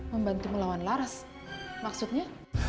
membantu melawan laras maksudnya